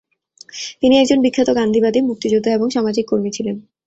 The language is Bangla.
তিনি একজন বিখ্যাত গান্ধিবাদী, মুক্তিযোদ্ধা এবং সামাজিক কর্মী ছিলেন।